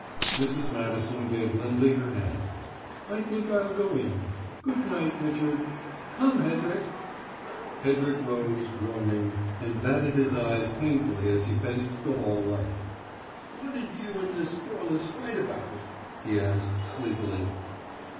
..." Mrs. Madison gave Lindley her hand. "I think I'll go in. Good night, Richard. Come, Hedrick!" Hedrick rose, groaning, and batted his eyes painfully as he faced the hall light. "What'd you and this Corliss fight about?" he asked, sleepily.